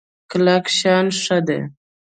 کلک شان ښه دی.